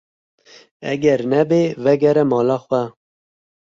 Eger nebe vegere mala xwe.